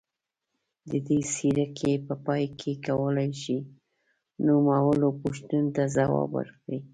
د دې څپرکي په پای کې کولای شئ نوموړو پوښتنو ته ځواب ورکړئ.